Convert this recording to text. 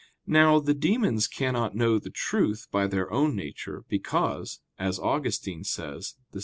Now, the demons cannot know the truth by their own nature, because, as Augustine says (De Civ.